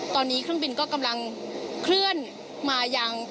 ตอนนี้เครื่องบินก็กำลังเคลื่อนมายัง